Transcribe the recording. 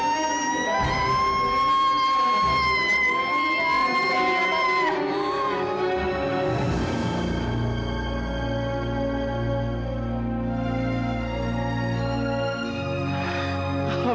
tenang ya pak ya